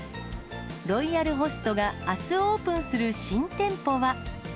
ロイヤルホストがあすオープンする新店舗は。